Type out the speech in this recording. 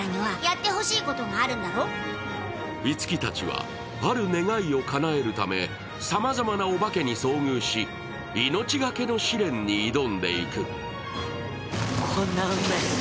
一樹たちはある願いをかなえるためさまざまなおばけに遭遇し、命懸けの試練に挑んでいく。